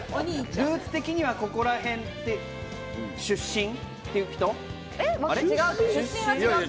ルーツ的にはここら辺出身ってこと？